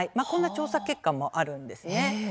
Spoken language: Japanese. こんな調査結果もあるんです。